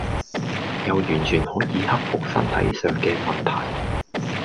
又完全可以克服身體上嘅問題